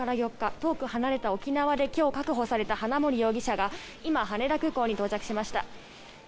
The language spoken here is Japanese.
遠く離れた沖縄で今日確保された花森容疑者が今、羽田空港に到着しました。